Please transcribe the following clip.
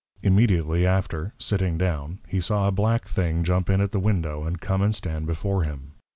Immediately after, sitting down, he saw a black Thing jump in at the Window, and come and stand before him.